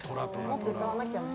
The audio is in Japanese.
もっと歌わなきゃね。